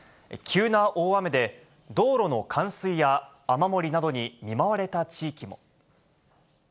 急な大雨で、道路の冠水や雨漏りなどに見舞われた地域も。